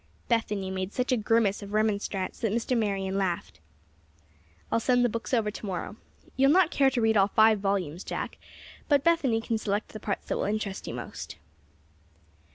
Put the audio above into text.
Bethany made such a grimace of remonstrance that Mr. Marion laughed. "I'll send the books over to morrow. You'll not care to read all five volumes, Jack; but Bethany can select the parts that will interest you most."